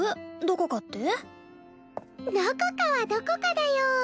どこかはどこかだよ。